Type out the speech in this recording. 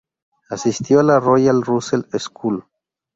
Asistió a la Royal Russell School.